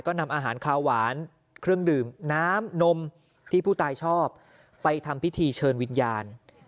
ก็นำอาหารคาวหวานเครื่องดื่มน้ำนมที่ผู้ตายชอบไปทำพิธีเชิญวิญญาณ